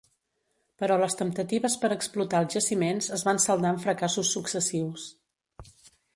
Però les temptatives per explotar els jaciments es van saldar en fracassos successius.